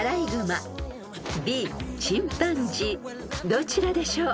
［どちらでしょう？］